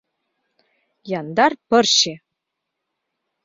Яндар пырче!